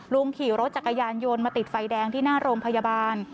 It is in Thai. ลุงขี่รถจักรยานยนต์มาติดไฟแดงที่หน้าโรงพยาบาล